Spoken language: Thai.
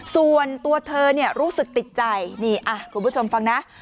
ส่วนตัวเธอเนี่ยรู้สึกติดใจนี่คุณผู้ชมฟังนะ